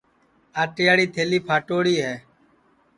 آٹیاڑی تھیلی پھٹوڑی ہے